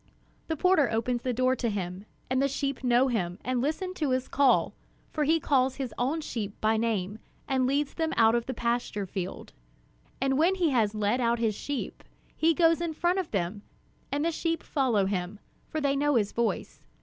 The porter opens the door to him, and the sheep know him, and listen to his call, for he calls his own sheep by name and leads them out to the pasture field. And when he has led out his sheep, he goes in front of them, and the sheep follow him, for they know his voice.